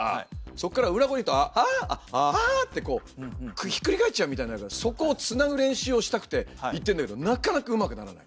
そこから裏声にいくと「アア」ってこうひっくり返っちゃうみたいなそこをつなぐ練習をしたくて行ってるんだけどなかなかうまくならない。